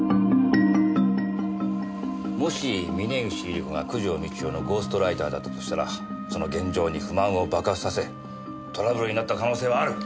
もし峰岸百合子が九条美千代のゴーストライターだったとしたらその現状に不満を爆発させトラブルになった可能性はある！